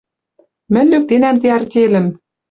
Мӹнь лӱктенӓм ти артельӹм